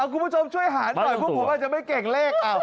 คุณผู้ชมช่วยหารหน่อยพวกผมอาจจะไม่เก่งเลข